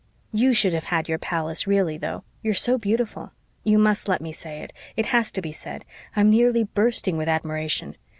YOU should have had your palace really, though you are so beautiful. You MUST let me say it it has to be said I'm nearly bursting with admiration.